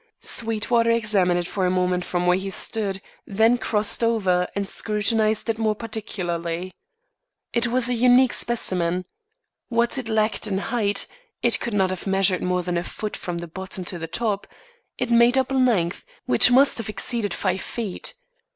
Sweetwater examined it for a moment from where he stood; then crossed over, and scrutinised it more particularly. It was a unique specimen. What it lacked in height it could not have measured more than a foot from the bottom to the top it made up in length, which must have exceeded five feet.